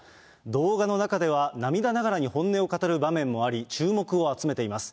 動画の中では、涙ながらに本音を語る場面もあり、注目を集めています。